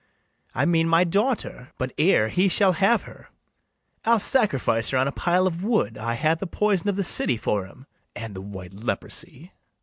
I mean my daughter; but, ere he shall have her, I'll sacrifice her on a pile of wood: I ha' the poison of the city for him, And the white leprosy.